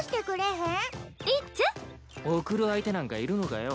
送る相手なんかいるのかよ。